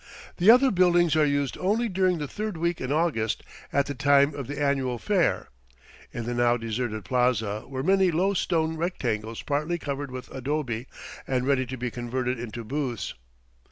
The other buildings are used only during the third week in August, at the time of the annual fair. In the now deserted plaza were many low stone rectangles partly covered with adobe and ready to be converted into booths.